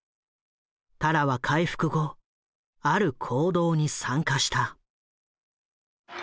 タラは回復後ある行動に参加した。